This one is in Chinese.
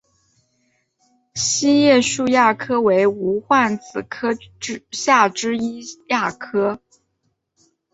七叶树亚科为无患子科下之一亚科。